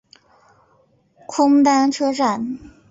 空丹车站。